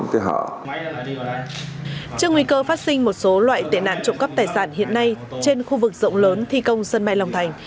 trước nguy cơ phát sinh một số loại tệ nạn trụng cấp tài sản hiện nay trên khu vực rộng lớn thi công sân mai long thành